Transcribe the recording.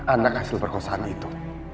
anak hasil perkosaan itu